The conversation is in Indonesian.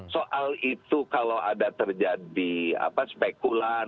soal itu kalau ada terjadi spekulan